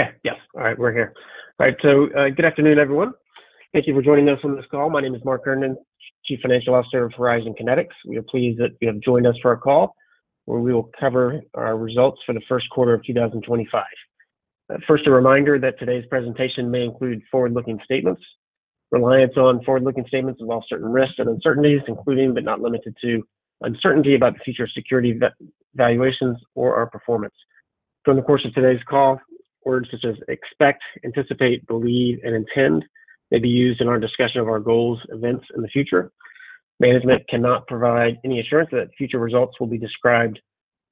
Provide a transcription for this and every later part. Okay. Yes. All right. We're here. All right. So good afternoon, everyone. Thank you for joining us on this call. My name is Mark Herndon, Chief Financial Officer of Horizon Kinetics. We are pleased that you have joined us for our call, where we will cover our results for the first quarter of 2025. First, a reminder that today's presentation may include forward-looking statements. Reliance on forward-looking statements involves certain risks and uncertainties, including, but not limited to, uncertainty about the future of security valuations or our performance. During the course of today's call, words such as expect, anticipate, believe, and intend may be used in our discussion of our goals, events, and the future. Management cannot provide any assurance that future results will be described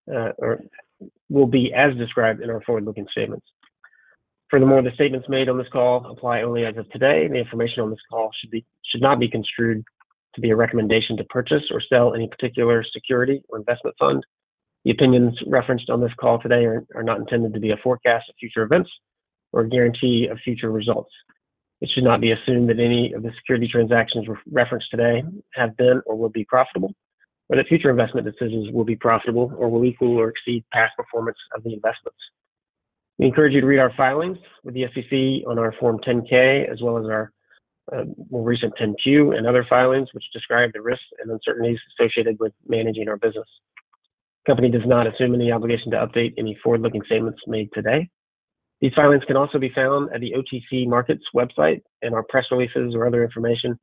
or will be as described in our forward-looking statements. Furthermore, the statements made on this call apply only as of today. The information on this call should not be construed to be a recommendation to purchase or sell any particular security or investment fund. The opinions referenced on this call today are not intended to be a forecast of future events or a guarantee of future results. It should not be assumed that any of the security transactions referenced today have been or will be profitable, or that future investment decisions will be profitable or will equal or exceed past performance of the investments. We encourage you to read our filings with the SEC on our Form 10-K, as well as our more recent 10-Q and other filings, which describe the risks and uncertainties associated with managing our business. The company does not assume any obligation to update any forward-looking statements made today. These filings can also be found at the OTC Markets website, and our press releases or other information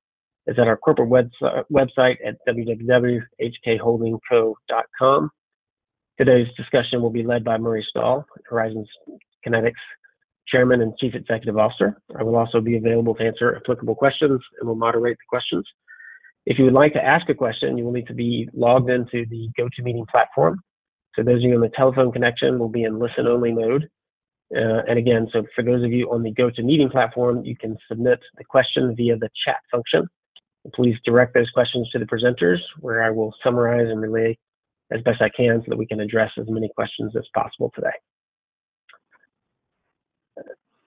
is at our corporate website at www.hkholdingco.com. Today's discussion will be led by Murray Stahl, Horizon Kinetics Chairman and Chief Executive Officer. I will also be available to answer applicable questions and will moderate the questions. If you would like to ask a question, you will need to be logged into the Go To Meeting platform. Those of you on the telephone connection will be in listen-only mode. Again, for those of you on the Go To Meeting platform, you can submit the question via the chat function. Please direct those questions to the presenters, where I will summarize and relay as best I can so that we can address as many questions as possible today.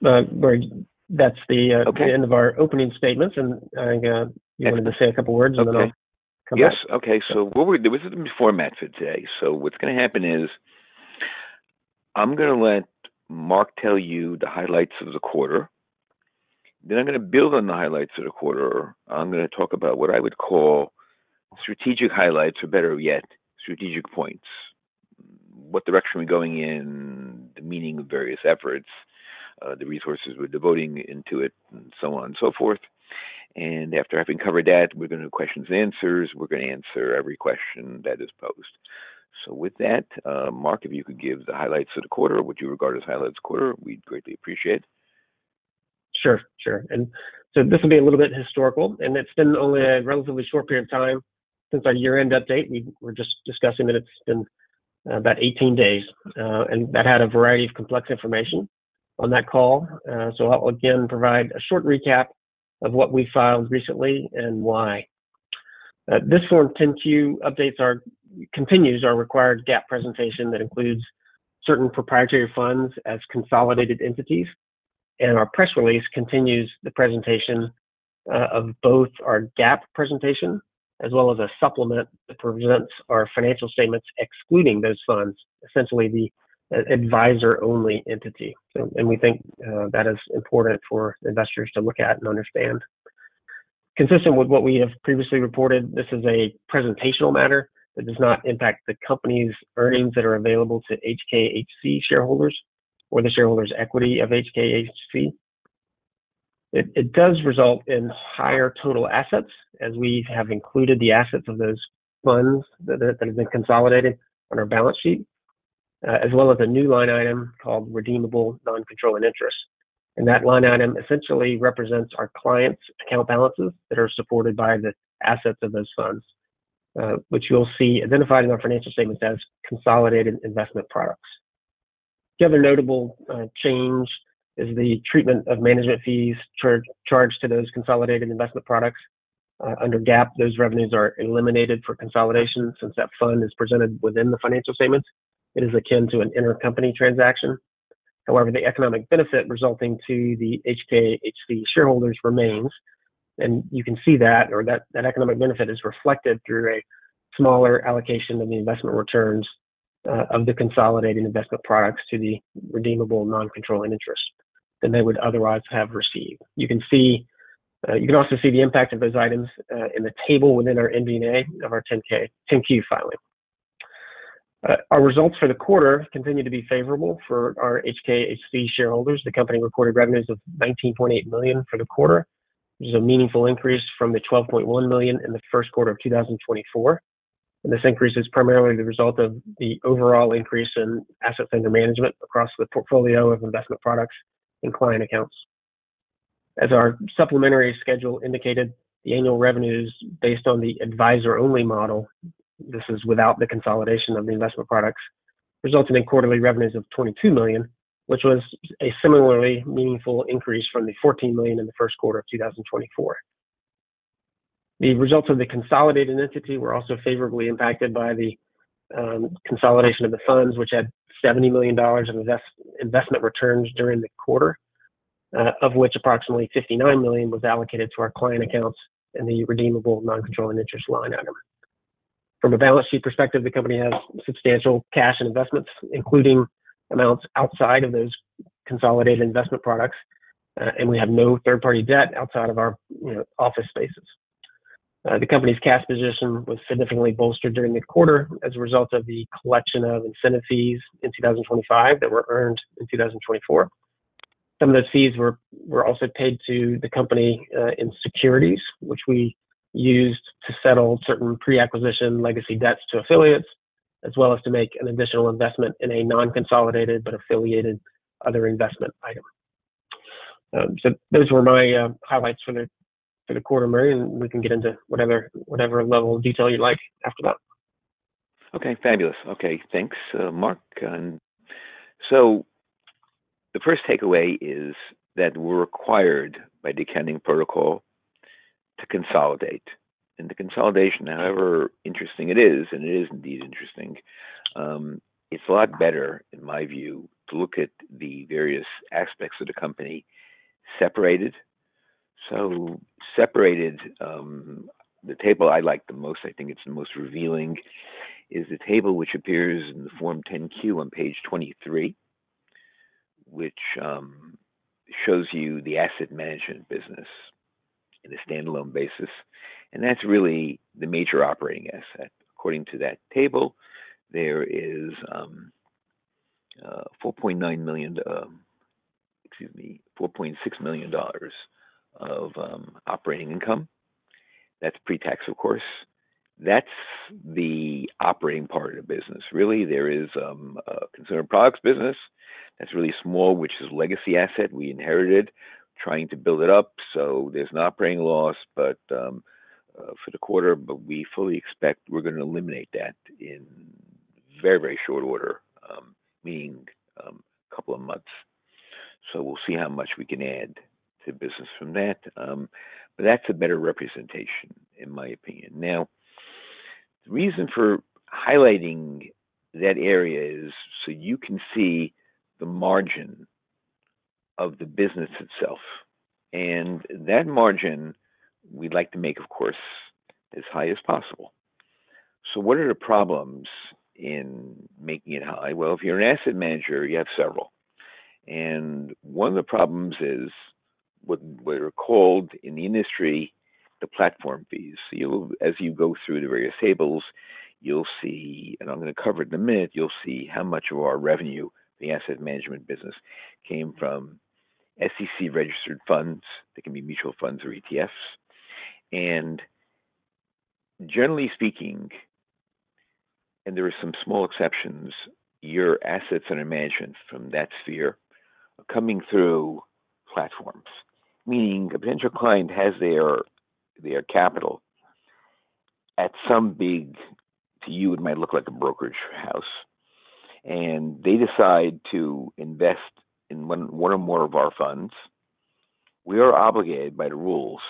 That is the end of our opening statements. I think you wanted to say a couple of words, and then I'll come back. Yes. Okay. What we are doing—this is the before match for today. What is going to happen is I am going to let Mark tell you the highlights of the quarter. I am going to build on the highlights of the quarter. I am going to talk about what I would call strategic highlights, or better yet, strategic points: what direction we are going in, the meaning of various efforts, the resources we are devoting into it, and so on and so forth. After having covered that, we are going to do questions and answers. We are going to answer every question that is posed. With that, Mark, if you could give the highlights of the quarter, what you regard as highlights of the quarter, we would greatly appreciate it. Sure. Sure. This will be a little bit historical. It has been only a relatively short period of time since our year-end update. We were just discussing that it has been about 18 days. That had a variety of complex information on that call. I will again provide a short recap of what we filed recently and why. This Form 10-Q update continues our required GAAP presentation that includes certain proprietary funds as consolidated entities. Our press release continues the presentation of both our GAAP presentation as well as a supplement that presents our financial statements excluding those funds, essentially the advisor-only entity. We think that is important for investors to look at and understand. Consistent with what we have previously reported, this is a presentational matter that does not impact the company's earnings that are available to HKHC shareholders or the shareholders' equity of HKHC. It does result in higher total assets as we have included the assets of those funds that have been consolidated on our balance sheet, as well as a new line item called redeemable non-controlling interest. That line item essentially represents our clients' account balances that are supported by the assets of those funds, which you'll see identified in our financial statements as consolidated investment products. The other notable change is the treatment of management fees charged to those consolidated investment products. Under GAAP, those revenues are eliminated for consolidation since that fund is presented within the financial statements. It is akin to an intercompany transaction. However, the economic benefit resulting to the HKHC shareholders remains. You can see that, or that economic benefit is reflected through a smaller allocation of the investment returns of the consolidated investment products to the redeemable non-controlling interest than they would otherwise have received. You can also see the impact of those items in the table within our MVNA of our 10-Q filing. Our results for the quarter continue to be favorable for our HKHC shareholders. The company reported revenues of $19.8 million for the quarter, which is a meaningful increase from the $12.1 million in the first quarter of 2024. This increase is primarily the result of the overall increase in assets under management across the portfolio of investment products and client accounts. As our supplementary schedule indicated, the annual revenues based on the advisor-only model—this is without the consolidation of the investment products—resulted in quarterly revenues of $22 million, which was a similarly meaningful increase from the $14 million in the first quarter of 2024. The results of the consolidated entity were also favorably impacted by the consolidation of the funds, which had $70 million of investment returns during the quarter, of which approximately $59 million was allocated to our client accounts and the redeemable non-controlling interest line item. From a balance sheet perspective, the company has substantial cash and investments, including amounts outside of those consolidated investment products. We have no third-party debt outside of our office spaces. The company's cash position was significantly bolstered during the quarter as a result of the collection of incentive fees in 2025 that were earned in 2024. Some of those fees were also paid to the company in securities, which we used to settle certain pre-acquisition legacy debts to affiliates, as well as to make an additional investment in a non-consolidated but affiliated other investment item. Those were my highlights for the quarter, Murray. We can get into whatever level of detail you'd like after that. Okay. Fabulous. Okay. Thanks, Mark. The first takeaway is that we're required by decanning protocol to consolidate. The consolidation, however interesting it is—and it is indeed interesting—it's a lot better, in my view, to look at the various aspects of the company separated. Separated, the table I like the most—I think it's the most revealing—is the table which appears in the Form 10-Q on page 23, which shows you the asset management business on a standalone basis. That's really the major operating asset. According to that table, there is $4.9 million—excuse me—$4.6 million of operating income. That's pre-tax, of course. That's the operating part of the business. Really, there is a consumer products business that's really small, which is a legacy asset. We inherited trying to build it up. There's an operating loss for the quarter, but we fully expect we're going to eliminate that in very, very short order, meaning a couple of months. We'll see how much we can add to business from that. That's a better representation, in my opinion. The reason for highlighting that area is so you can see the margin of the business itself. That margin, we'd like to make, of course, as high as possible. What are the problems in making it high? If you're an asset manager, you have several. One of the problems is what are called in the industry the platform fees. As you go through the various tables, you'll see—and I'm going to cover it in a minute—you'll see how much of our revenue, the asset management business, came from SEC-registered funds. They can be mutual funds or ETFs. Generally speaking, and there are some small exceptions, your assets under management from that sphere are coming through platforms. Meaning a potential client has their capital at some big—to you, it might look like a brokerage house—and they decide to invest in one or more of our funds. We are obligated by the rules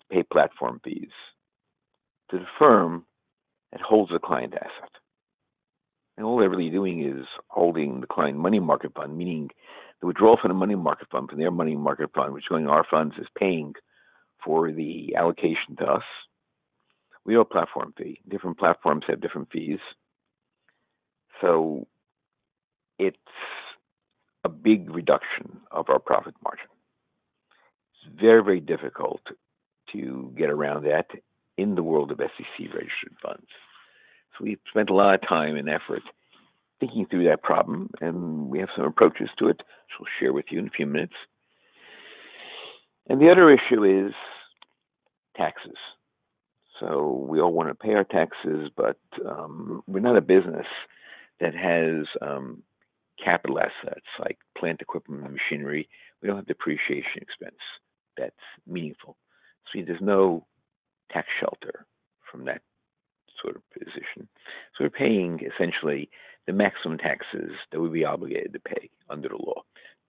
to pay platform fees to the firm that holds the client asset. All they are really doing is holding the client money market fund, meaning the withdrawal from the money market fund from their money market fund, which, going to our funds, is paying for the allocation to us. We owe a platform fee. Different platforms have different fees. It is a big reduction of our profit margin. It is very, very difficult to get around that in the world of SEC-registered funds. We have spent a lot of time and effort thinking through that problem. We have some approaches to it, which we'll share with you in a few minutes. The other issue is taxes. We all want to pay our taxes, but we're not a business that has capital assets like plant equipment and machinery. We do not have depreciation expense that's meaningful. There is no tax shelter from that sort of position. We are paying essentially the maximum taxes that we'd be obligated to pay under the law.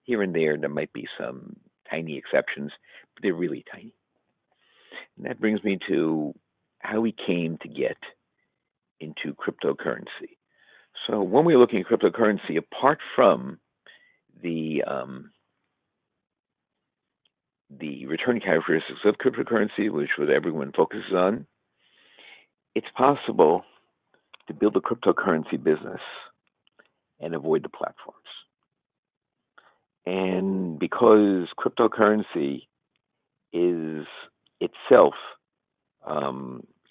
Here and there, there might be some tiny exceptions, but they're really tiny. That brings me to how we came to get into cryptocurrency. When we're looking at cryptocurrency, apart from the return characteristics of cryptocurrency, which everyone focuses on, it's possible to build a cryptocurrency business and avoid the platforms. Because cryptocurrency is itself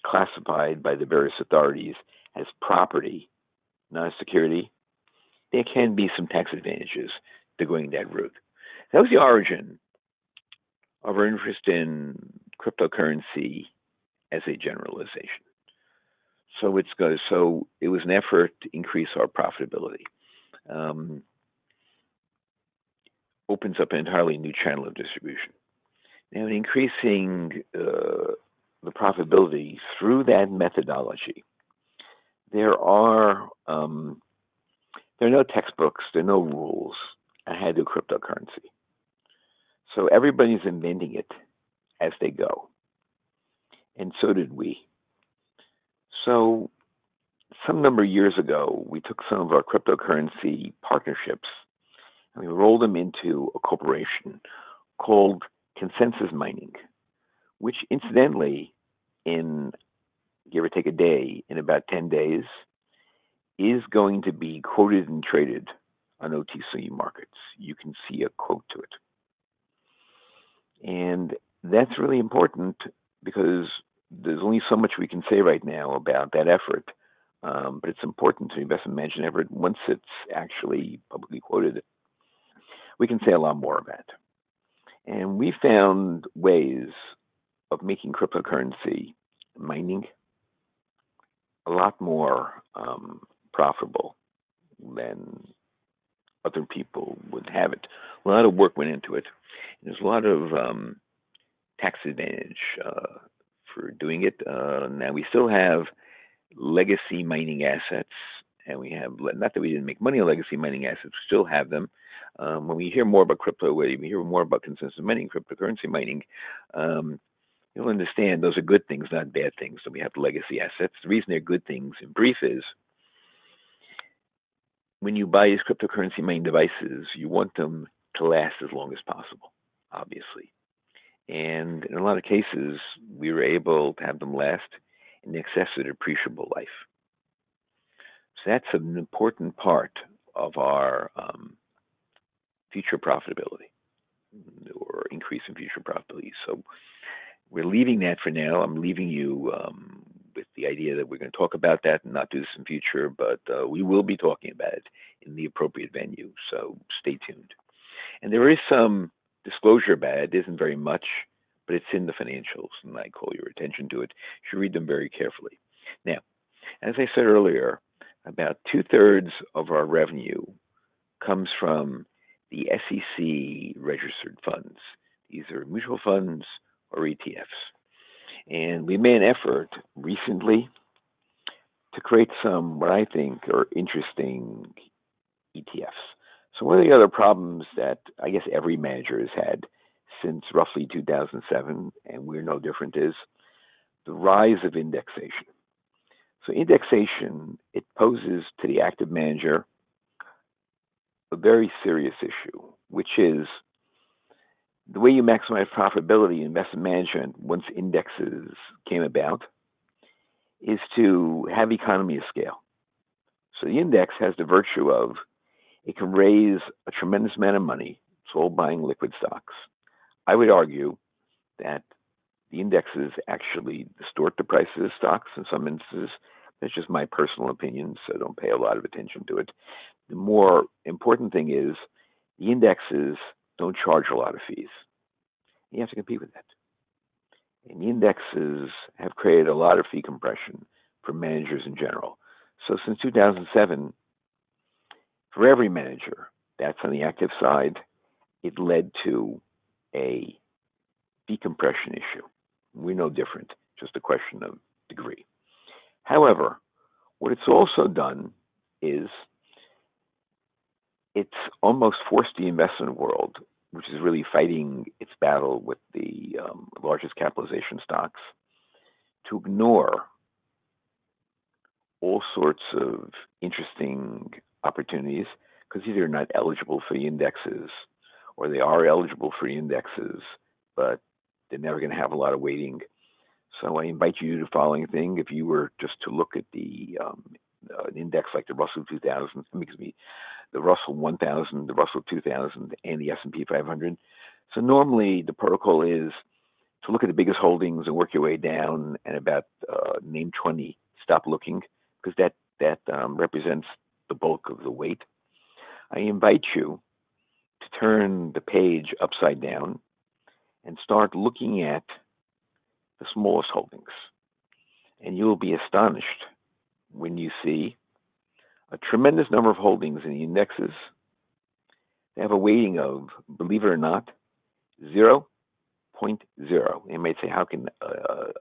classified by the various authorities as property, not a security, there can be some tax advantages to going that route. That was the origin of our interest in cryptocurrency as a generalization. It was an effort to increase our profitability. It opens up an entirely new channel of distribution. In increasing the profitability through that methodology, there are no textbooks. There are no rules on how to do cryptocurrency. Everybody's inventing it as they go. And so did we. Some number of years ago, we took some of our cryptocurrency partnerships and we rolled them into a corporation called Consensus Mining, which, incidentally, in give or take a day, in about 10 days, is going to be quoted and traded on OTC markets. You can see a quote to it. That is really important because there is only so much we can say right now about that effort. It is important to invest in management effort. Once it is actually publicly quoted, we can say a lot more of that. We found ways of making cryptocurrency mining a lot more profitable than other people would have it. A lot of work went into it. There is a lot of tax advantage for doing it. We still have legacy mining assets. Not that we did not make money on legacy mining assets—we still have them. When we hear more about crypto, when we hear more about Consensus Mining, cryptocurrency mining, you will understand those are good things, not bad things. We have legacy assets. The reason they are good things in brief is when you buy these cryptocurrency mining devices, you want them to last as long as possible, obviously. In a lot of cases, we were able to have them last an excessive depreciable life. That is an important part of our future profitability or increase in future profitability. We are leaving that for now. I am leaving you with the idea that we are going to talk about that and not do this in future. We will be talking about it in the appropriate venue. Stay tuned. There is some disclosure about it. It is not very much, but it is in the financials. I call your attention to it. You should read them very carefully. As I said earlier, about two-thirds of our revenue comes from the SEC-registered funds. These are mutual funds or ETFs. We made an effort recently to create some what I think are interesting ETFs. One of the other problems that I guess every manager has had since roughly 2007, and we're no different, is the rise of indexation. Indexation poses to the active manager a very serious issue, which is the way you maximize profitability in investment management once indexes came about is to have economy of scale. The index has the virtue of it can raise a tremendous amount of money. It's all buying liquid stocks. I would argue that the indexes actually distort the prices of stocks in some instances. That's just my personal opinion, so don't pay a lot of attention to it. The more important thing is the indexes don't charge a lot of fees. You have to compete with that. The indexes have created a lot of fee compression for managers in general. Since 2007, for every manager that's on the active side, it led to a decompression issue. We're no different, just a question of degree. However, what it's also done is it's almost forced the investment world, which is really fighting its battle with the largest capitalization stocks, to ignore all sorts of interesting opportunities because either they're not eligible for the indexes or they are eligible for the indexes, but they're never going to have a lot of weighting. I want to invite you to the following thing. If you were just to look at an index like the Russell 2000, excuse me, the Russell 1000, the Russell 2000, and the S&P 500. Normally, the protocol is to look at the biggest holdings and work your way down, and about name 20, stop looking because that represents the bulk of the weight. I invite you to turn the page upside down and start looking at the smallest holdings. You'll be astonished when you see a tremendous number of holdings in the indexes that have a weighting of, believe it or not, 0.0. You may say, "How can a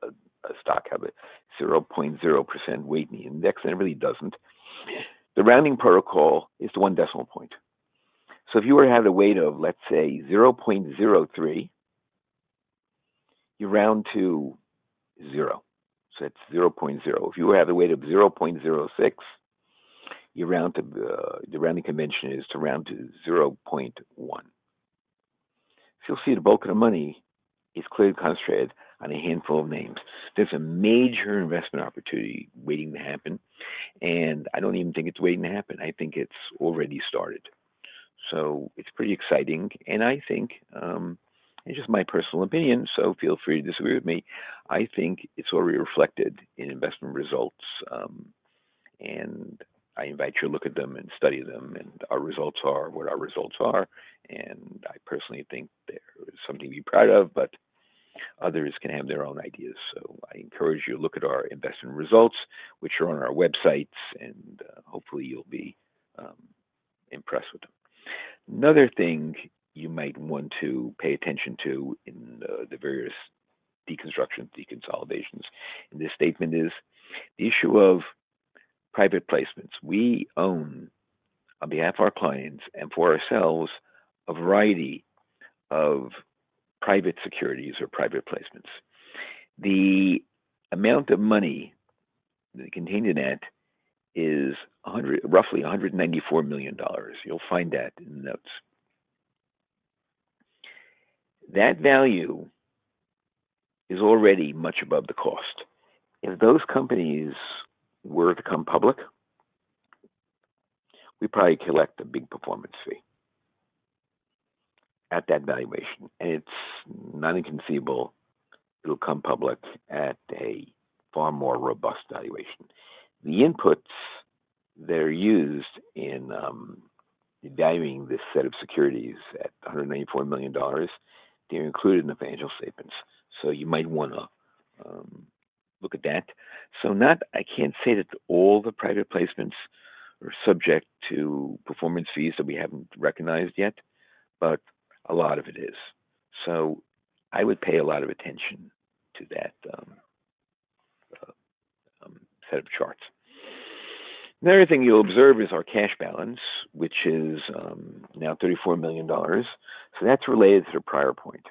stock have a 0.0% weight in the index?" It really doesn't. The rounding protocol is to one decimal point. If you were to have the weight of, let's say, 0.03, you round to 0. So that's 0.0. If you were to have the weight of 0.06, the rounding convention is to round to 0.1. You'll see the bulk of the money is clearly concentrated on a handful of names. There's a major investment opportunity waiting to happen. I don't even think it's waiting to happen. I think it's already started. It's pretty exciting. I think—and it is just my personal opinion, so feel free to disagree with me—I think it is already reflected in investment results. I invite you to look at them and study them. Our results are what our results are. I personally think they are something to be proud of. Others can have their own ideas. I encourage you to look at our investment results, which are on our websites. Hopefully, you will be impressed with them. Another thing you might want to pay attention to in the various deconstructions, de-consolidations in this statement is the issue of private placements. We own, on behalf of our clients and for ourselves, a variety of private securities or private placements. The amount of money that is contained in that is roughly $194 million. You will find that in the notes. That value is already much above the cost. If those companies were to come public, we'd probably collect a big performance fee at that valuation. It's not inconceivable it'll come public at a far more robust valuation. The inputs that are used in evaluating this set of securities at $194 million, they're included in the financial statements. You might want to look at that. I can't say that all the private placements are subject to performance fees that we haven't recognized yet. A lot of it is. I would pay a lot of attention to that set of charts. Another thing you'll observe is our cash balance, which is now $34 million. That's related to the prior point.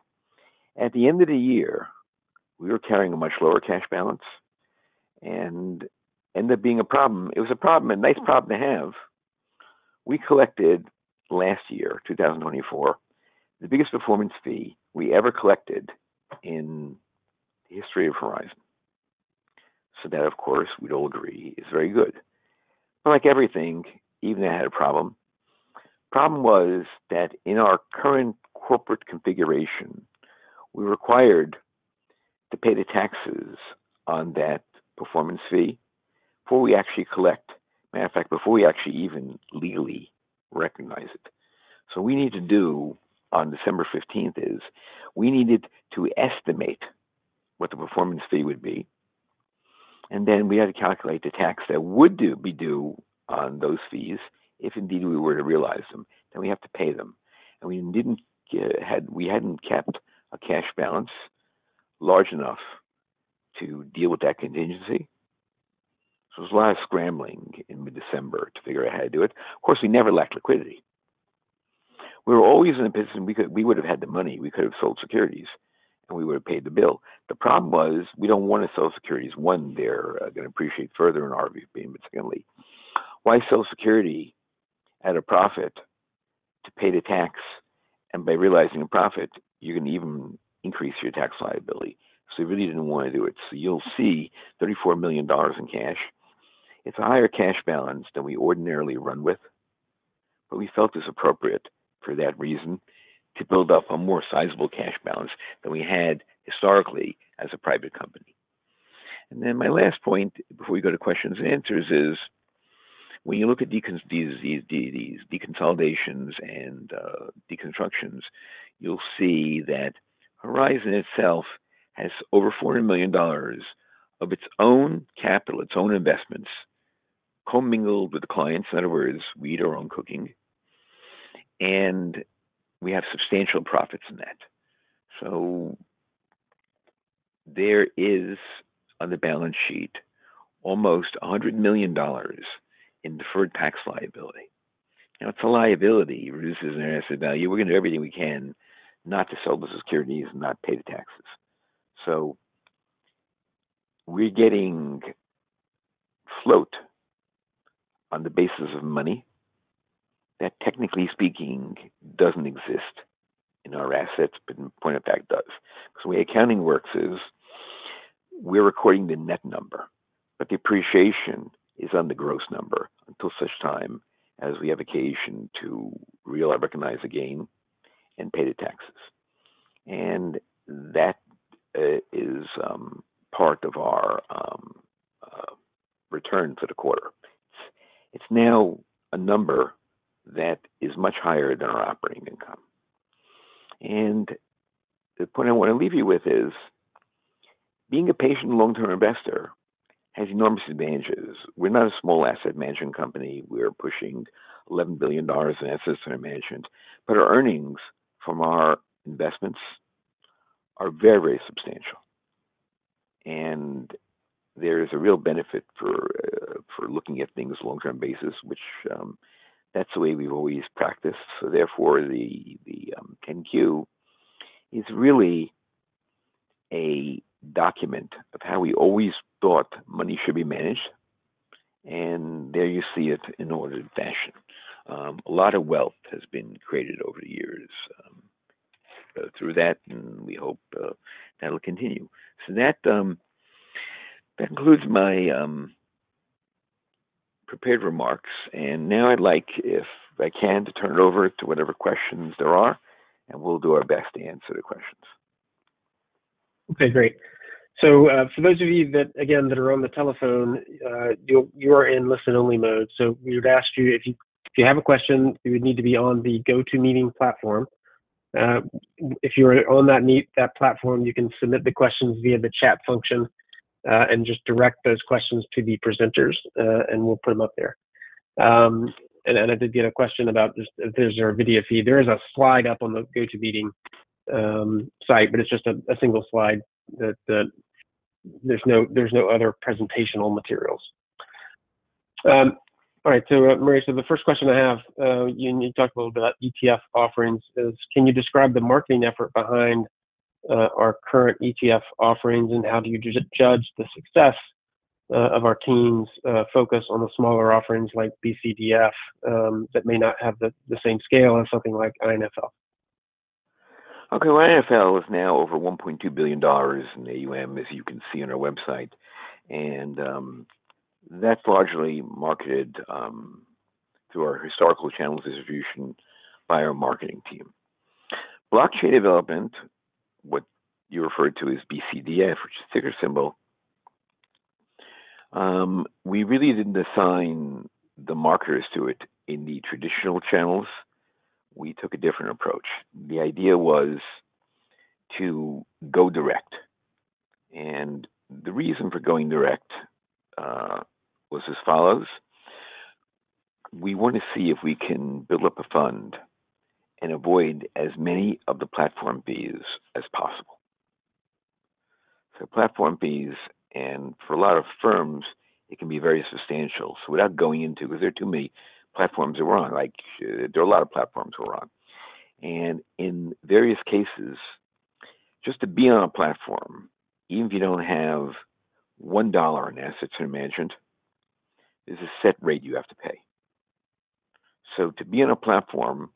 At the end of the year, we were carrying a much lower cash balance. It ended up being a problem. It was a problem, a nice problem to have. We collected last year, 2024, the biggest performance fee we ever collected in the history of Horizon. So that, of course, we'd all agree is very good. But like everything, even that had a problem. The problem was that in our current corporate configuration, we're required to pay the taxes on that performance fee before we actually collect—matter of fact, before we actually even legally recognize it. So what we need to do on December 15th is we needed to estimate what the performance fee would be. And then we had to calculate the tax that would be due on those fees if indeed we were to realize them. Then we have to pay them. And we hadn't kept a cash balance large enough to deal with that contingency. So it was a lot of scrambling in mid-December to figure out how to do it. Of course, we never lacked liquidity. We were always in a position we would have had the money. We could have sold securities, and we would have paid the bill. The problem was we do not want to sell securities when they are going to appreciate further in our view, being able to scale up. Why sell security at a profit to pay the tax? And by realizing a profit, you can even increase your tax liability. We really did not want to do it. You will see $34 million in cash. It is a higher cash balance than we ordinarily run with. We felt it was appropriate for that reason to build up a more sizable cash balance than we had historically as a private company. My last point before we go to questions and answers is when you look at these de-consolidations and deconstructions, you'll see that Horizon itself has over $400 million of its own capital, its own investments, commingled with clients. In other words, we eat our own cooking. We have substantial profits in that. There is, on the balance sheet, almost $100 million in deferred tax liability. Now, it's a liability. It reduces their asset value. We're going to do everything we can not to sell the securities and not pay the taxes. We're getting float on the basis of money that, technically speaking, doesn't exist in our assets. In point of fact, it does. The way accounting works is we're recording the net number. The appreciation is on the gross number until such time as we have occasion to realize the gain and pay the taxes. That is part of our return for the quarter. It is now a number that is much higher than our operating income. The point I want to leave you with is being a patient and long-term investor has enormous advantages. We are not a small asset management company. We are pushing $11 billion in assets under management. Our earnings from our investments are very, very substantial. There is a real benefit for looking at things on a long-term basis, which is the way we have always practiced. Therefore, the 10-Q is really a document of how we always thought money should be managed. There you see it in ordered fashion. A lot of wealth has been created over the years through that. We hope that'll continue. That concludes my prepared remarks. I would like, if I can, to turn it over to whatever questions there are. We'll do our best to answer the questions. Okay. Great. For those of you that, again, are on the telephone, you are in listen-only mode. We would ask you, if you have a question, you would need to be on the Go To Meeting platform. If you're on that platform, you can submit the questions via the chat function and just direct those questions to the presenters. We'll put them up there. I did get a question about if there's a video feed. There is a slide up on the Go To Meeting site. It's just a single slide and there are no other presentational materials. All right. Murray, the first question I have—and you talked a little bit about ETF offerings—is can you describe the marketing effort behind our current ETF offerings? How do you judge the success of our team's focus on the smaller offerings like BCDF that may not have the same scale as something like INFL? Okay. INFL is now over $1.2 billion in the AUM, as you can see on our website. That is largely marketed through our historical channels distribution by our marketing team. Blockchain development, what you referred to as BCDF, which is the ticker symbol, we really did not assign the marketers to it in the traditional channels. We took a different approach. The idea was to go direct. The reason for going direct was as follows. We want to see if we can build up a fund and avoid as many of the platform fees as possible. Platform fees, and for a lot of firms, it can be very substantial. Without going into—because there are too many platforms that we are on. There are a lot of platforms we are on. In various cases, just to be on a platform, even if you do not have $1 in assets under management, there is a set rate you have to pay. To be on a platform,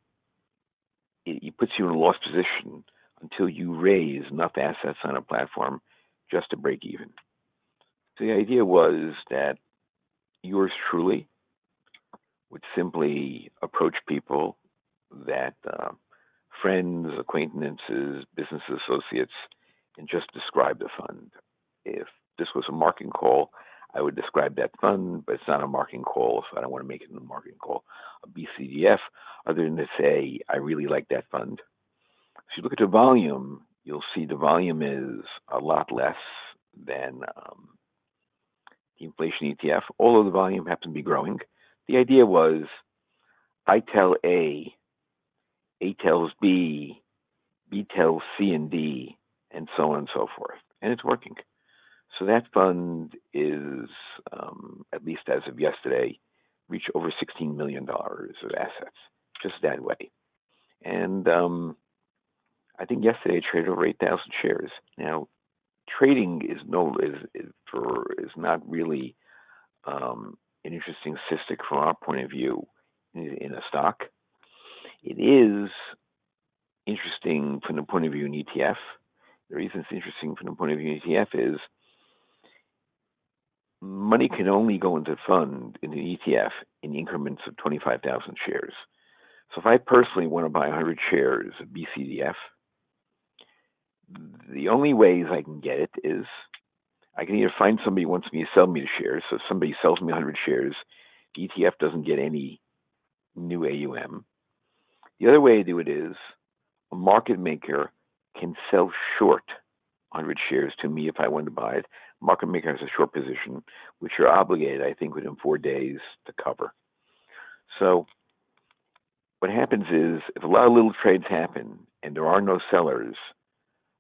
it puts you in a loss position until you raise enough assets on a platform just to break even. The idea was that yours truly would simply approach people, friends, acquaintances, business associates, and just describe the fund. If this was a marketing call, I would describe that fund. It is not a marketing call. I do not want to make it a marketing call of BCDF other than to say, "I really like that fund." If you look at the volume, you will see the volume is a lot less than the inflation ETF. Although the volume happens to be growing, the idea was I tell A, A tells B, B tells C and D, and so on and so forth. It is working. That fund is, at least as of yesterday, reached over $16 million of assets just that way. I think yesterday it traded over 8,000 shares. Now, trading is not really an interesting statistic from our point of view in a stock. It is interesting from the point of view of an ETF. The reason it is interesting from the point of view of an ETF is money can only go into a fund, into an ETF, in increments of 25,000 shares. If I personally want to buy 100 shares of BCDF, the only ways I can get it is I can either find somebody who wants me to sell me the shares. If somebody sells me 100 shares, the ETF does not get any new AUM. The other way to do it is a market maker can sell short 100 shares to me if I wanted to buy it. A market maker has a short position, which you are obligated, I think, within four days to cover. What happens is if a lot of little trades happen and there are no sellers,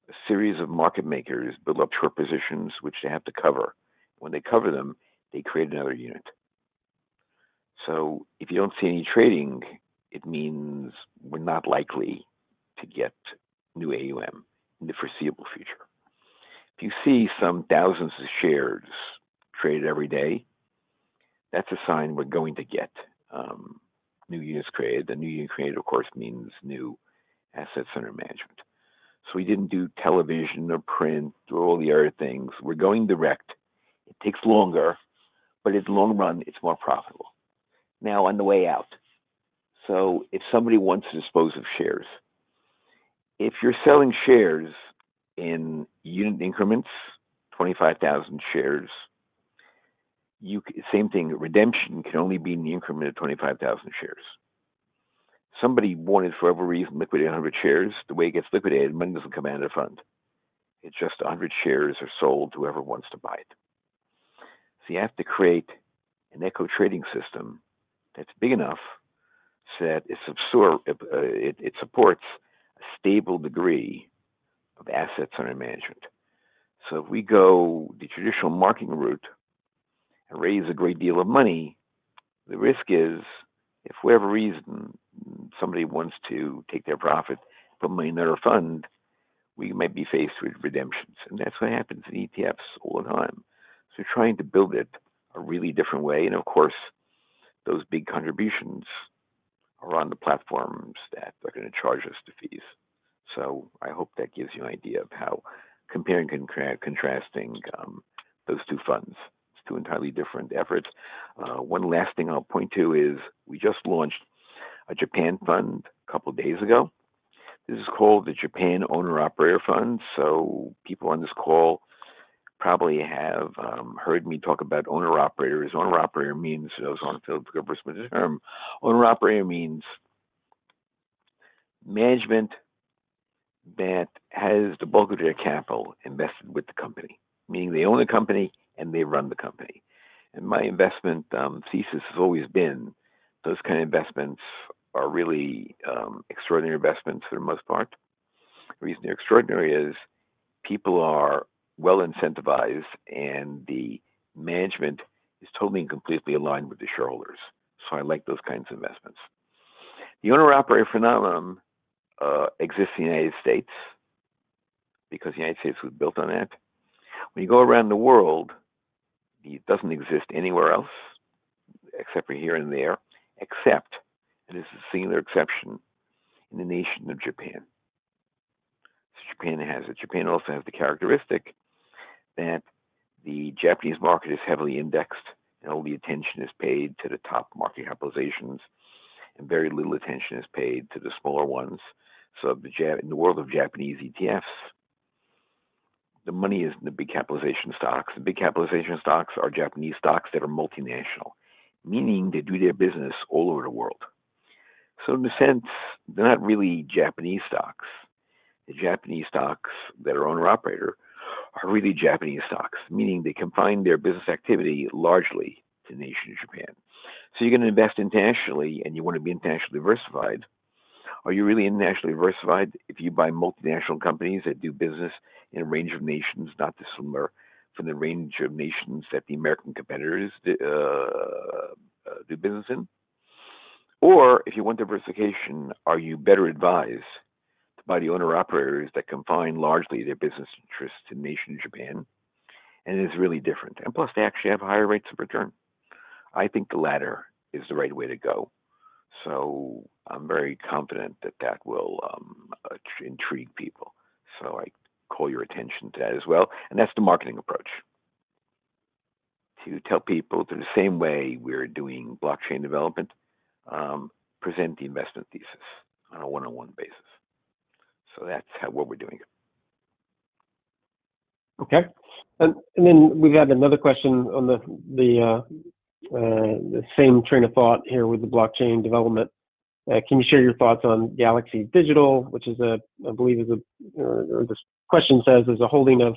a series of market makers build up short positions, which they have to cover. When they cover them, they create another unit. If you do not see any trading, it means we are not likely to get new AUM in the foreseeable future. If you see some thousands of shares traded every day, that is a sign we are going to get new units created. New units created, of course, means new assets under management. We didn't do television or print or all the other things. We're going direct. It takes longer. In the long run, it's more profitable. On the way out, if somebody wants to dispose of shares, if you're selling shares in unit increments, 25,000 shares, same thing. Redemption can only be in the increment of 25,000 shares. Somebody wanted, for whatever reason, liquidate 100 shares. The way it gets liquidated, money doesn't come out of the fund. It's just 100 shares are sold to whoever wants to buy it. You have to create an eco-trading system that's big enough so that it supports a stable degree of assets under management. If we go the traditional marketing route and raise a great deal of money, the risk is if, for whatever reason, somebody wants to take their profit, put money in another fund, we might be faced with redemptions. That's what happens in ETFs all the time. We're trying to build it a really different way. Of course, those big contributions are on the platforms that are going to charge us the fees. I hope that gives you an idea of how comparing and contrasting those two funds. It's two entirely different efforts. One last thing I'll point to is we just launched a Japan fund a couple of days ago. This is called the Japan Owner-Operator Fund. People on this call probably have heard me talk about owner-operators. Owner-operator means, that was on the field for the first time, owner-operator means management that has the bulk of their capital invested with the company, meaning they own the company and they run the company. My investment thesis has always been those kind of investments are really extraordinary investments for the most part. The reason they're extraordinary is people are well incentivized, and the management is totally and completely aligned with the shareholders. I like those kinds of investments. The owner-operator phenomenon exists in the United States because the United States was built on that. When you go around the world, it doesn't exist anywhere else except for here and there, except, and this is a singular exception, in the nation of Japan. Japan has it. Japan also has the characteristic that the Japanese market is heavily indexed, and all the attention is paid to the top market capitalizations, and very little attention is paid to the smaller ones. In the world of Japanese ETFs, the money is in the big capitalization stocks. The big capitalization stocks are Japanese stocks that are multinational, meaning they do their business all over the world. In a sense, they're not really Japanese stocks. The Japanese stocks that are owner-operator are really Japanese stocks, meaning they confine their business activity largely to the nation of Japan. If you're going to invest internationally, and you want to be internationally diversified, are you really internationally diversified if you buy multinational companies that do business in a range of nations, not just from the range of nations that the American competitors do business in? If you want diversification, are you better advised to buy the owner-operators that confine largely their business interests to the nation of Japan? It is really different. Plus, they actually have higher rates of return. I think the latter is the right way to go. I am very confident that that will intrigue people. I call your attention to that as well. That is the marketing approach. To tell people, in the same way we are doing blockchain development, present the investment thesis on a one-on-one basis. That is what we are doing. Okay. And then we have another question on the same train of thought here with the Blockchain Development. Can you share your thoughts on Galaxy Digital, which I believe is a—the question says there's a holding of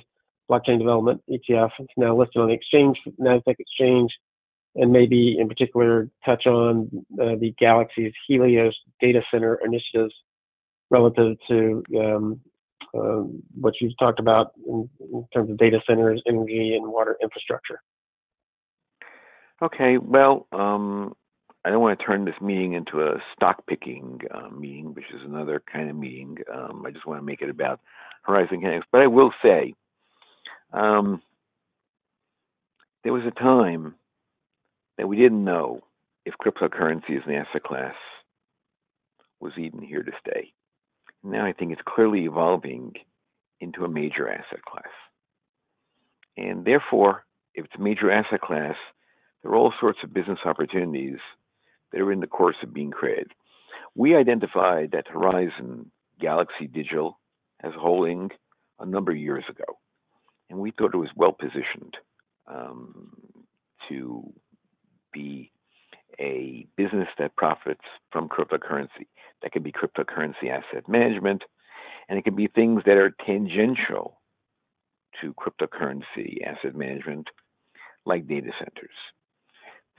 Blockchain Development ETF. It's now listed on the exchange, NASDAQ exchange. And maybe in particular, touch on the Galaxy's Helios data center initiatives relative to what you've talked about in terms of data centers, energy, and water infrastructure. Okay. I do not want to turn this meeting into a stock-picking meeting, which is another kind of meeting. I just want to make it about Horizon Kinetics. I will say there was a time that we did not know if cryptocurrencies and asset class was even here to stay. Now I think it is clearly evolving into a major asset class. Therefore, if it is a major asset class, there are all sorts of business opportunities that are in the course of being created. We identified that Horizon Galaxy Digital as a holding a number of years ago. We thought it was well-positioned to be a business that profits from cryptocurrency, that can be cryptocurrency asset management. It can be things that are tangential to cryptocurrency asset management, like data centers.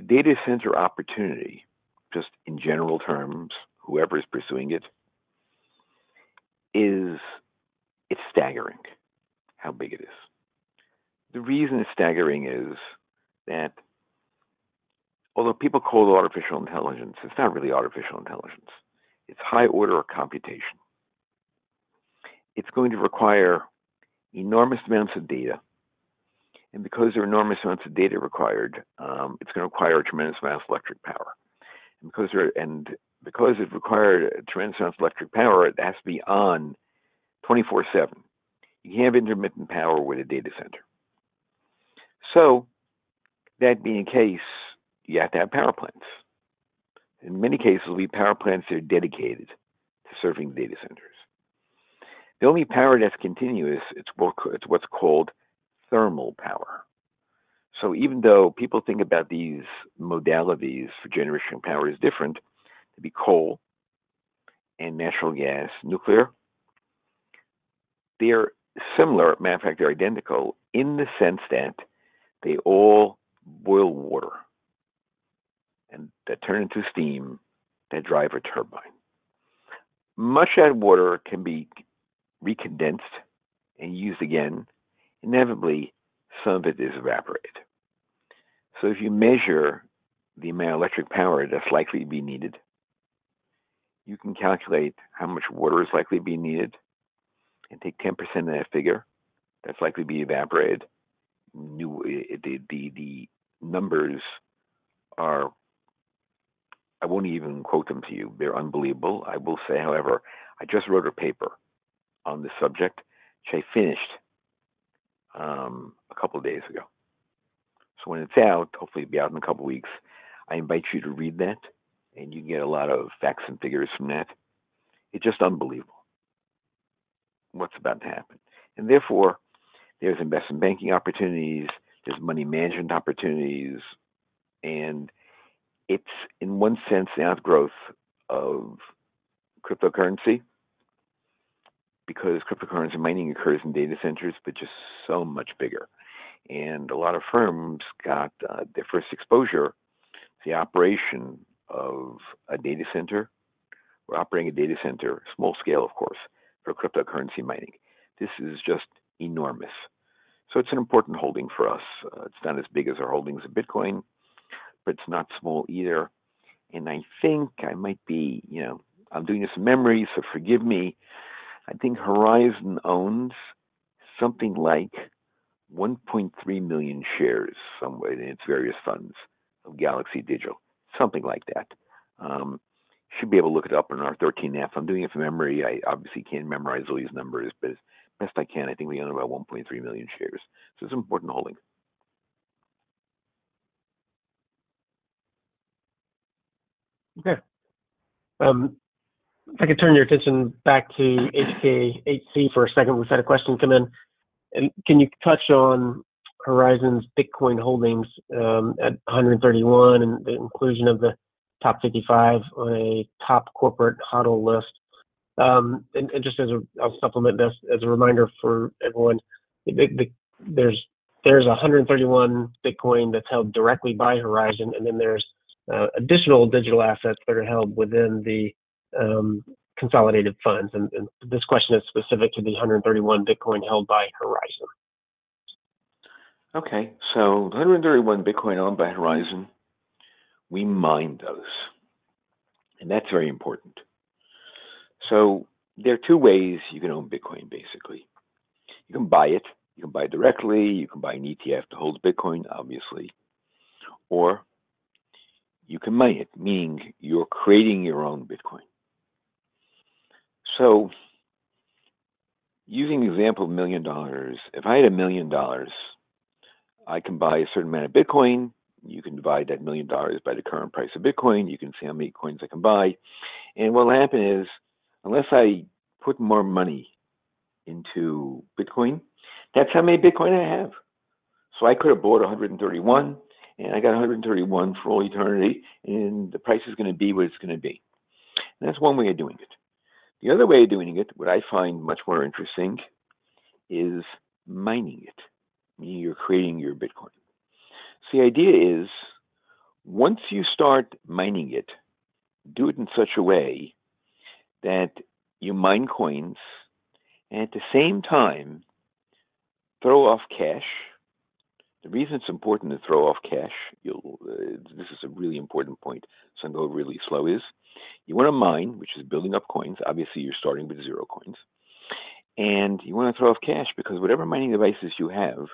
The data center opportunity, just in general terms, whoever is pursuing it, is staggering how big it is. The reason it's staggering is that although people call it artificial intelligence, it's not really artificial intelligence. It's high-order computation. It's going to require enormous amounts of data. Because there are enormous amounts of data required, it's going to require a tremendous amount of electric power. Because it requires a tremendous amount of electric power, it has to be on 24/7. You can't have intermittent power with a data center. That being the case, you have to have power plants. In many cases, there'll be power plants that are dedicated to serving data centers. The only power that's continuous is what's called thermal power. Even though people think about these modalities for generation of power as different, it'd be coal and natural gas, nuclear. They're similar. Matter of fact, they're identical in the sense that they all boil water and turn into steam that drives a turbine. Much of that water can be recondensed and used again. Inevitably, some of it is evaporated. If you measure the amount of electric power that's likely to be needed, you can calculate how much water is likely to be needed. Take 10% of that figure that's likely to be evaporated. The numbers are—I won't even quote them to you. They're unbelievable. I will say, however, I just wrote a paper on the subject, which I finished a couple of days ago. When it's out, hopefully it'll be out in a couple of weeks, I invite you to read that. You can get a lot of facts and figures from that. It's just unbelievable what's about to happen. Therefore, there's investment banking opportunities. There's money management opportunities. And it's, in one sense, now the growth of cryptocurrency because cryptocurrency mining occurs in data centers, but just so much bigger. And a lot of firms got their first exposure to the operation of a data center. We're operating a data center, small scale, of course, for cryptocurrency mining. This is just enormous. So it's an important holding for us. It's not as big as our holdings of Bitcoin, but it's not small either. I think I might be—I'm doing this in memory, so forgive me. I think Horizon owns something like 1.3 million shares somewhere in its various funds of Galaxy Digital, something like that. You should be able to look it up on our 13F. I'm doing it from memory. I obviously can't memorize all these numbers, but best I can, I think we own about 1.3 million shares. It's an important holding. Okay. If I could turn your attention back to HKHC for a second. We've had a question come in. Can you touch on Horizon's Bitcoin holdings at 131 and the inclusion of the top 55 on a top corporate HODL list? Just as a—I'll supplement this as a reminder for everyone. There's 131 Bitcoin that's held directly by Horizon. Then there's additional digital assets that are held within the consolidated funds. This question is specific to the 131 Bitcoin held by Horizon. Okay. So 131 Bitcoin owned by Horizon. We mine those. And that's very important. There are two ways you can own Bitcoin, basically. You can buy it. You can buy it directly. You can buy an ETF to hold Bitcoin, obviously. Or you can mine it, meaning you're creating your own Bitcoin. Using the example of a million dollars, if I had a million dollars, I can buy a certain amount of Bitcoin. You can divide that million dollars by the current price of Bitcoin. You can see how many coins I can buy. What will happen is unless I put more money into Bitcoin, that's how many Bitcoin I have. I could have bought 131, and I got 131 for all eternity. The price is going to be what it's going to be. That's one way of doing it. The other way of doing it, what I find much more interesting, is mining it, meaning you're creating your Bitcoin. The idea is once you start mining it, do it in such a way that you mine coins and at the same time throw off cash. The reason it's important to throw off cash—this is a really important point, so I'm going to go really slow—is you want to mine, which is building up coins. Obviously, you're starting with zero coins. You want to throw off cash because whatever mining devices you have,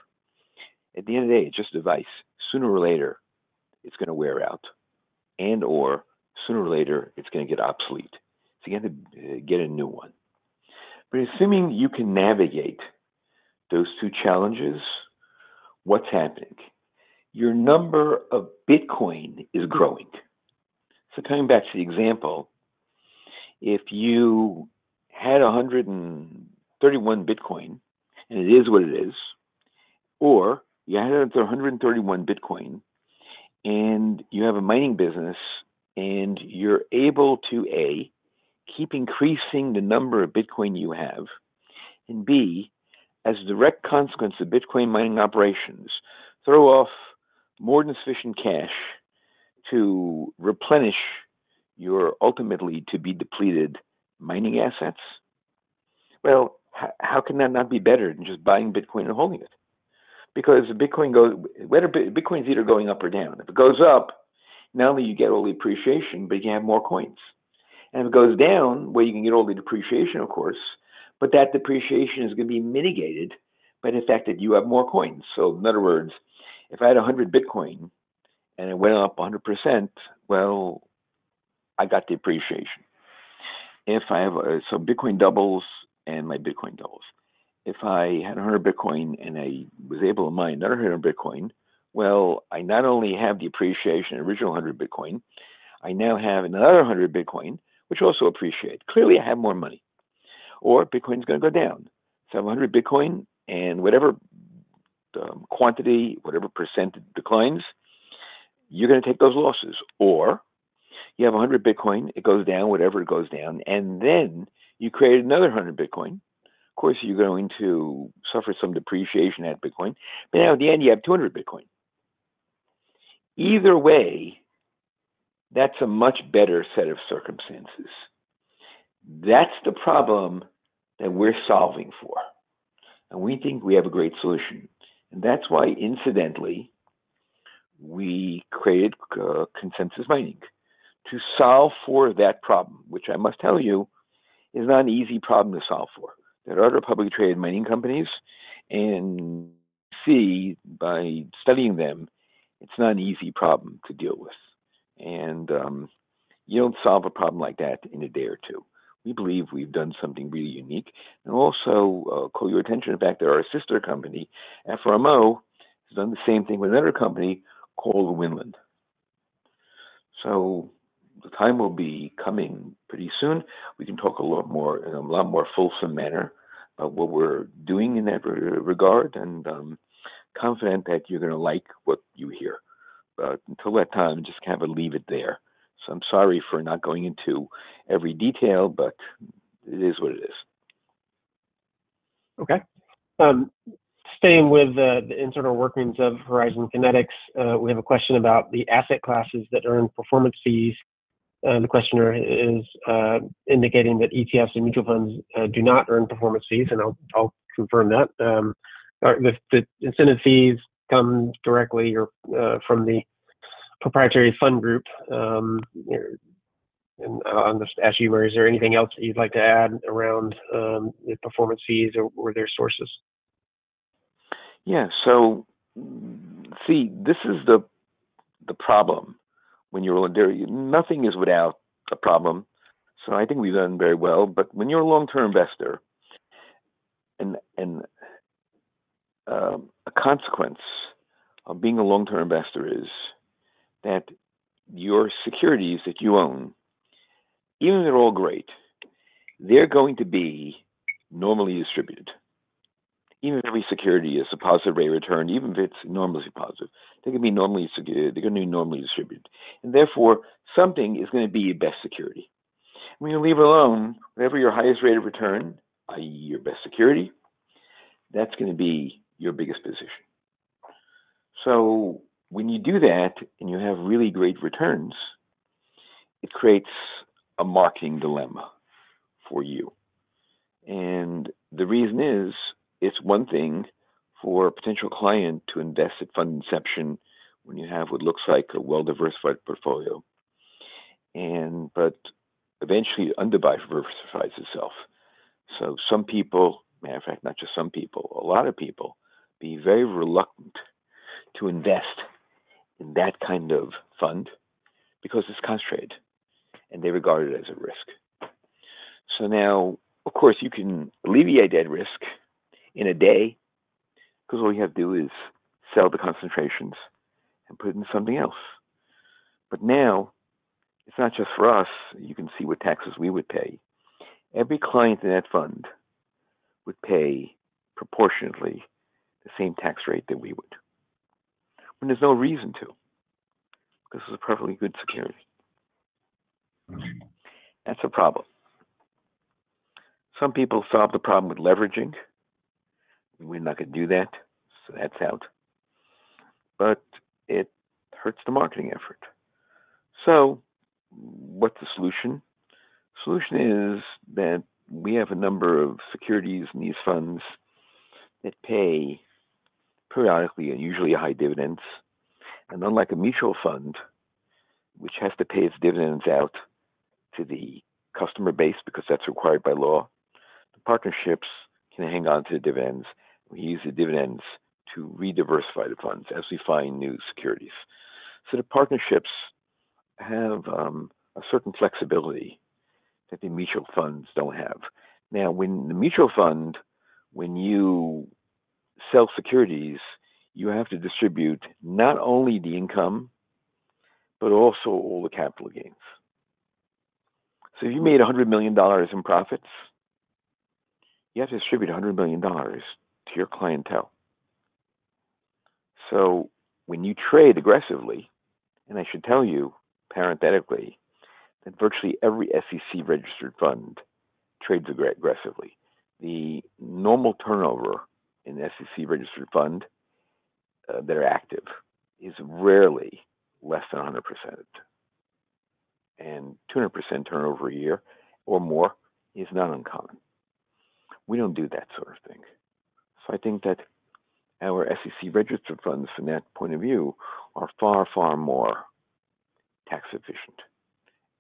at the end of the day, it's just a device. Sooner or later, it's going to wear out. And/or sooner or later, it's going to get obsolete. You have to get a new one. Assuming you can navigate those two challenges, what's happening? Your number of Bitcoin is growing. Coming back to the example, if you had 131 Bitcoin and it is what it is, or you had another 131 Bitcoin and you have a mining business and you're able to, A, keep increasing the number of Bitcoin you have, and B, as a direct consequence of Bitcoin mining operations, throw off more than sufficient cash to replenish your ultimately to be depleted mining assets, how can that not be better than just buying Bitcoin and holding it? Because Bitcoin's either going up or down. If it goes up, not only do you get all the appreciation, but you can have more coins. If it goes down, you can get all the depreciation, of course, but that depreciation is going to be mitigated by the fact that you have more coins. In other words, if I had 100 Bitcoin and it went up 100%, I got depreciation. Bitcoin doubles and my Bitcoin doubles. If I had 100 Bitcoin and I was able to mine another 100 Bitcoin, I not only have the appreciation of the original 100 Bitcoin, I now have another 100 Bitcoin, which also appreciates. Clearly, I have more money. Bitcoin is going to go down. I have 100 Bitcoin and whatever quantity, whatever percentage it declines, you are going to take those losses. You have 100 Bitcoin, it goes down, whatever it goes down, and then you create another 100 Bitcoin. Of course, you are going to suffer some depreciation at Bitcoin. Now at the end, you have 200 Bitcoin. Either way, that is a much better set of circumstances. That is the problem that we are solving for. We think we have a great solution. That is why, incidentally, we created Consensus Mining to solve for that problem, which I must tell you is not an easy problem to solve for. There are other publicly traded mining companies. You see, by studying them, it is not an easy problem to deal with. You do not solve a problem like that in a day or two. We believe we have done something really unique. I will call your attention to the fact that our sister company, FRMO, has done the same thing with another company called Winland. The time will be coming pretty soon. We can talk a lot more in a lot more fulsome manner about what we are doing in that regard. I am confident that you are going to like what you hear. Until that time, just kind of leave it there. I'm sorry for not going into every detail, but it is what it is. Okay. Staying with the internal workings of Horizon Kinetics, we have a question about the asset classes that earn performance fees. The questioner is indicating that ETFs and mutual funds do not earn performance fees. I'll confirm that. The incentive fees come directly from the proprietary fund group. I'll just ask you, is there anything else that you'd like to add around the performance fees or their sources? Yeah. See, this is the problem when you're—nothing is without a problem. I think we've done very well. When you're a long-term investor, a consequence of being a long-term investor is that your securities that you own, even if they're all great, they're going to be normally distributed. Even if every security is a positive rate of return, even if it's normally positive, they're going to be normally distributed. They're going to be normally distributed. Therefore, something is going to be your best security. When you leave it alone, whatever your highest rate of return, i.e., your best security, that's going to be your biggest position. When you do that and you have really great returns, it creates a marketing dilemma for you. The reason is it's one thing for a potential client to invest at fund inception when you have what looks like a well-diversified portfolio, but eventually it undiversifies itself. Some people—matter of fact, not just some people, a lot of people—be very reluctant to invest in that kind of fund because it's concentrated. They regard it as a risk. Of course, you can alleviate that risk in a day because all you have to do is sell the concentrations and put in something else. Now, it's not just for us. You can see what taxes we would pay. Every client in that fund would pay proportionately the same tax rate that we would when there's no reason to, because it's a perfectly good security. That's a problem. Some people solve the problem with leveraging. We're not going to do that. That's out. It hurts the marketing effort. What is the solution? The solution is that we have a number of securities in these funds that pay periodically and usually high dividends. Unlike a mutual fund, which has to pay its dividends out to the customer base because that is required by law, the partnerships can hang on to the dividends. We use the dividends to rediversify the funds as we find new securities. The partnerships have a certain flexibility that the mutual funds do not have. In the mutual fund, when you sell securities, you have to distribute not only the income but also all the capital gains. If you made $100 million in profits, you have to distribute $100 million to your clientele. When you trade aggressively, and I should tell you parenthetically that virtually every SEC-registered fund trades aggressively, the normal turnover in SEC-registered fund that are active is rarely less than 100%. And 200% turnover a year or more is not uncommon. We do not do that sort of thing. I think that our SEC-registered funds, from that point of view, are far, far more tax efficient.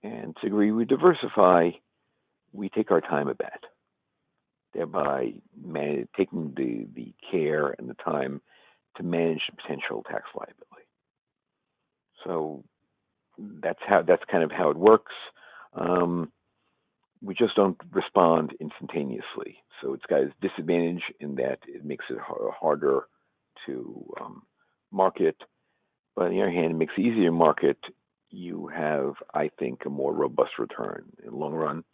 To the degree we diversify, we take our time at that, thereby taking the care and the time to manage the potential tax liability. That is kind of how it works. We just do not respond instantaneously. It has its disadvantage in that it makes it harder to market. On the other hand, it makes it easier to market. You have, I think, a more robust return in the long run.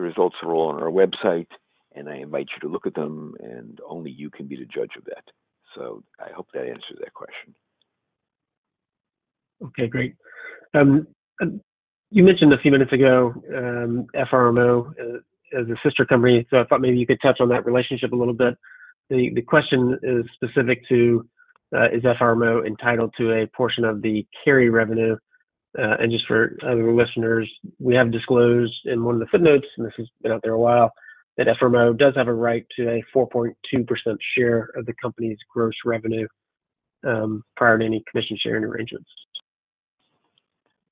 The results are all on our website. I invite you to look at them. Only you can be the judge of that. I hope that answers that question. Okay. Great. You mentioned a few minutes ago FRMO as a sister company. I thought maybe you could touch on that relationship a little bit. The question is specific to, is FRMO entitled to a portion of the carry revenue? Just for other listeners, we have disclosed in one of the footnotes, and this has been out there a while, that FRMO does have a right to a 4.2% share of the company's gross revenue prior to any commission sharing arrangements.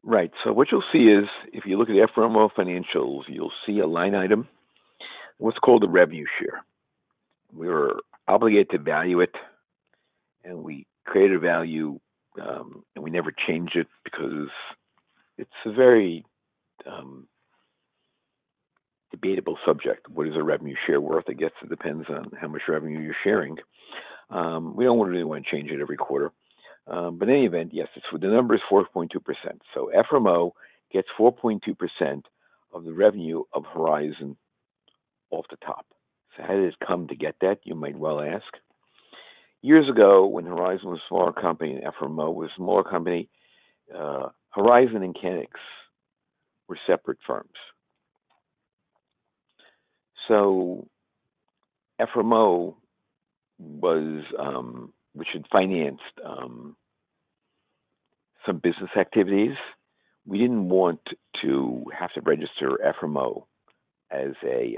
Right. So what you'll see is if you look at FRMO financials, you'll see a line item, what's called a revenue share. We're obligated to value it. And we create a value. We never change it because it's a very debatable subject. What is a revenue share worth? I guess it depends on how much revenue you're sharing. We don't really want to change it every quarter. In any event, yes, the number is 4.2%. FRMO gets 4.2% of the revenue of Horizon off the top. How did it come to get that, you might well ask? Years ago, when Horizon was a smaller company and FRMO was a smaller company, Horizon and Kinetics were separate firms. FRMO was—we should finance some business activities. We didn't want to have to register FRMO as an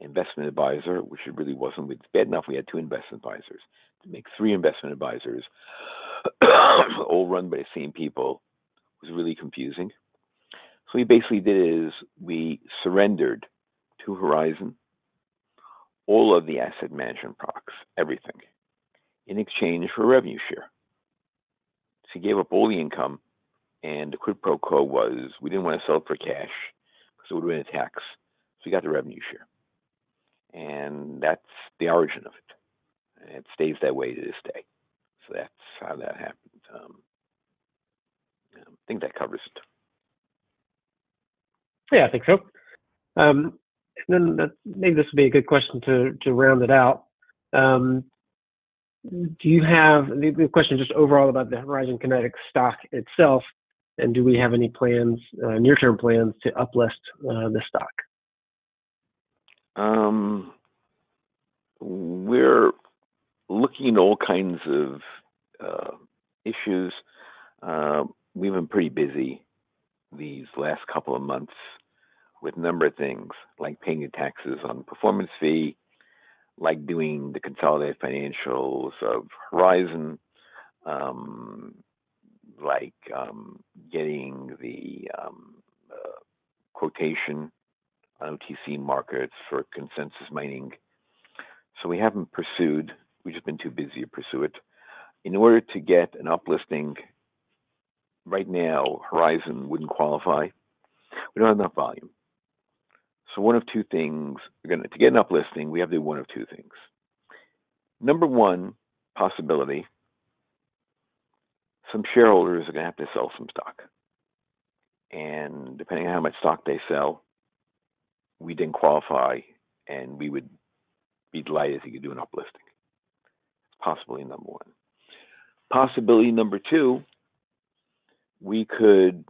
investment advisor, which it really wasn't. It's bad enough we had two investment advisors. To make three investment advisors all run by the same people was really confusing. What we basically did is we surrendered to Horizon all of the asset management products, everything, in exchange for a revenue share. We gave up all the income. The quid pro quo was we did not want to sell it for cash because it would win a tax. We got the revenue share. That is the origin of it. It stays that way to this day. That is how that happened. I think that covers it. Yeah, I think so. Maybe this would be a good question to round it out. Do you have the question just overall about the Horizon Kinetics stock itself? Do we have any near-term plans to uplift the stock? We're looking at all kinds of issues. We've been pretty busy these last couple of months with a number of things, like paying the taxes on the performance fee, like doing the consolidated financials of Horizon, like getting the quotation on OTC markets for Consensus Mining. We haven't pursued—we've just been too busy to pursue it. In order to get an uplifting, right now, Horizon wouldn't qualify. We don't have enough volume. One of two things—to get an uplifting, we have to do one of two things. Number one, possibility: some shareholders are going to have to sell some stock. Depending on how much stock they sell, we didn't qualify. We would be delighted if you could do an uplifting. Possibility number one. Possibility number two, we could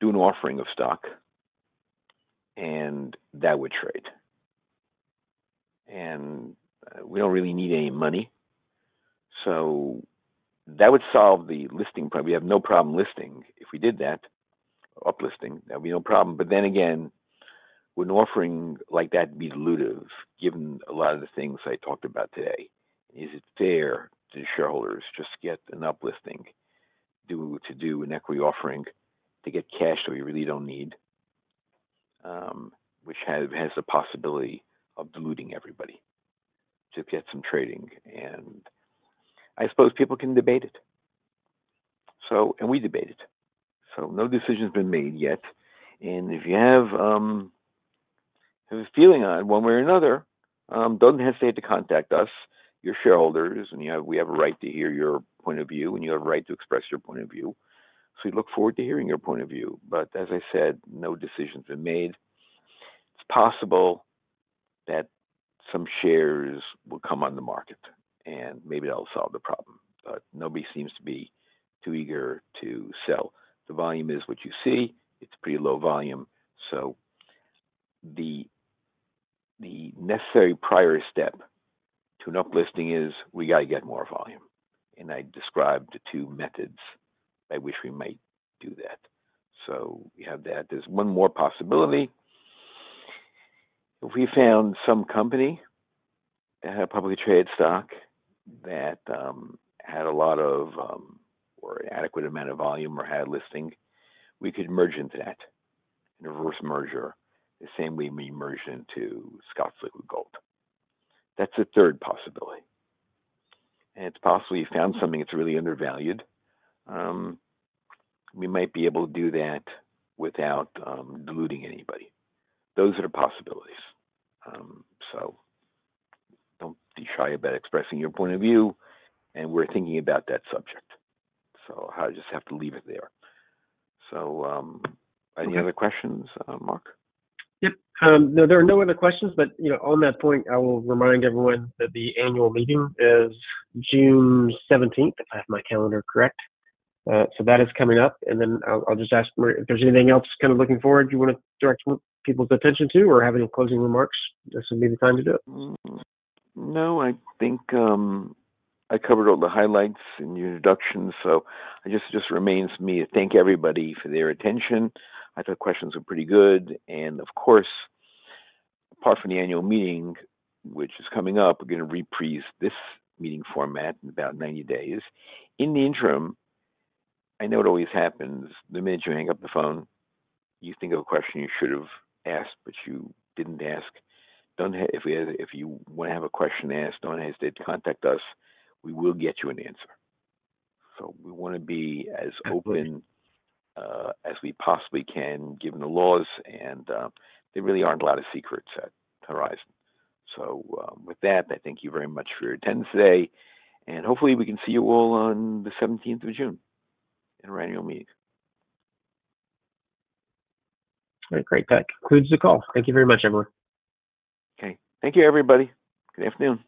do an offering of stock. That would trade. We don't really need any money. That would solve the listing problem. We have no problem listing. If we did that, uplifting, that would be no problem. Then again, with an offering like that, it'd be dilutive given a lot of the things I talked about today. Is it fair to shareholders just to get an uplifting, to do an equity offering to get cash that we really do not need, which has the possibility of diluting everybody to get some trading? I suppose people can debate it. We debate it. No decision has been made yet. If you have a feeling on it, one way or another, do not hesitate to contact us. You are shareholders. We have a right to hear your point of view. You have a right to express your point of view. We look forward to hearing your point of view. As I said, no decision's been made. It's possible that some shares will come on the market. Maybe that'll solve the problem. Nobody seems to be too eager to sell. The volume is what you see. It's pretty low volume. The necessary prior step to an uplifting is we got to get more volume. I described the two methods we might do that. We have that. There's one more possibility. If we found some company that had a publicly traded stock that had a lot of or an adequate amount of volume or had listing, we could merge into that in a reverse merger, the same way we merged into Scott's Liquid Gold. That's a third possibility. It's possible we found something that's really undervalued. We might be able to do that without diluting anybody. Those are the possibilities. Do not be shy about expressing your point of view. We are thinking about that subject. I just have to leave it there. Any other questions, Mark? Yep. No, there are no other questions. On that point, I will remind everyone that the annual meeting is June 17th, if I have my calendar correct. That is coming up. I'll just ask if there's anything else kind of looking forward you want to direct people's attention to or have any closing remarks, this would be the time to do it. No, I think I covered all the highlights in your introduction. It just remains for me to thank everybody for their attention. I thought questions were pretty good. Of course, apart from the annual meeting, which is coming up, we're going to reprise this meeting format in about 90 days. In the interim, I know it always happens. The minute you hang up the phone, you think of a question you should have asked but you didn't ask. If you want to have a question asked, don't hesitate to contact us. We will get you an answer. We want to be as open as we possibly can given the laws. There really aren't a lot of secrets at Horizon Kinetics. With that, I thank you very much for your attendance today. Hopefully, we can see you all on the 17th of June in our annual meeting. All right. Great. That concludes the call. Thank you very much, everyone. Okay. Thank you, everybody. Good afternoon.